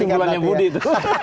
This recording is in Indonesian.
singulannya budi itu